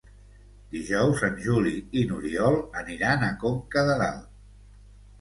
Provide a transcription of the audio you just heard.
Dijous en Juli i n'Oriol aniran a Conca de Dalt.